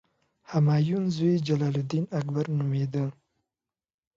همایون زوی جلال الدین اکبر نومېده.